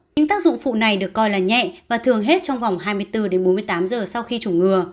những tác dụng phụ này được coi là nhẹ và thường hết trong vòng hai mươi bốn đến bốn mươi tám giờ sau khi chủng ngừa